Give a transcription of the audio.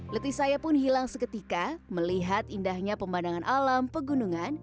letih saya pun hilang seketika melihat indahnya pemandangan alam pegunungan